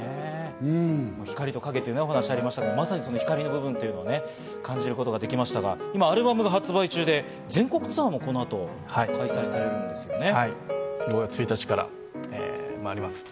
光と影というお話ありましたが、まさに光の部分を感じることができましたが今、アルバムも発売中で全国ツアーもこの後開催されるんですよね。